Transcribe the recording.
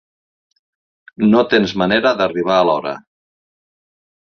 No tens manera d'arribar a l'hora.